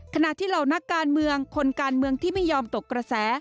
ขณะที่เหล่านักการเมืองคนการเมืองที่ไม่ยอมตกกระแส